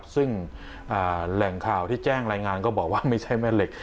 ซึ่งแหล่งข่าวที่แจ้งรายงานก็บอกว่าไม่ใช่แม่เหล็ก